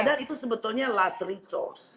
padahal itu sebetulnya last resource